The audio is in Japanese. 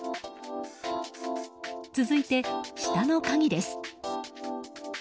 続いて下の鍵です。